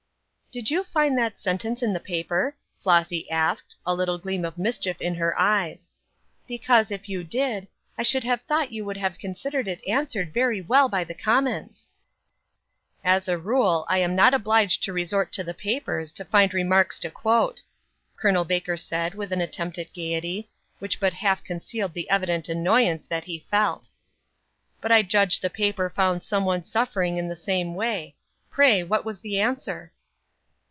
"Did you find that sentence in the paper?" Flossy asked, a little gleam of mischief in her eyes. "Because, if you did, I should have thought you would have considered it answered very well by the comments." "As a rule, I am not obliged to resort to the papers to find remarks to quote," Col. Baker said, with an attempt at gayety, which but half concealed the evident annoyance that he felt. "But I judge the paper found some one suffering in the same way. Pray, what was the answer?"